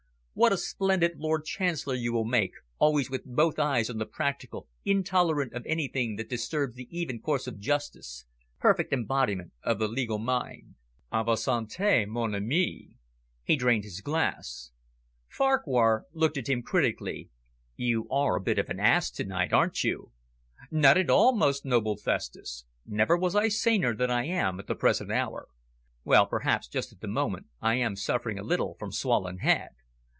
"What a splendid Lord Chancellor you will make, always with both eyes on the practical, intolerant of anything that disturbs the even course of justice. Perfect embodiment of the legal mind. A votre sante, mon ami!" He drained his glass. Farquhar looked at him critically. "You're a bit of an ass to night, aren't you?" "Not at all, most noble Festus. Never was I saner than I am at the present hour. Well, perhaps just at the moment I am suffering a little from swollen head.